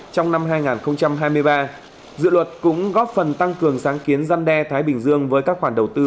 trong năm hai nghìn hai mươi ba dự luật cũng góp phần tăng cường sáng kiến gian đe thái bình dương với các khoản đầu tư